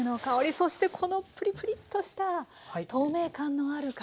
そしてこのプリプリッとした透明感のある皮。